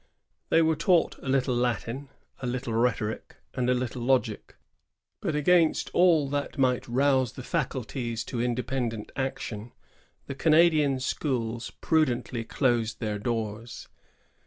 They were taught a little Latin, a little rhetoric, and a little logic; but against aU that might rouse the faculties to independent action, the Canadian schools pru dently closed their doors.